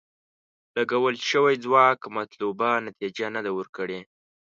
لګول شوی ځواک مطلوبه نتیجه نه ده ورکړې.